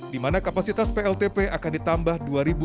di mana kapasitas pltp akan ditambah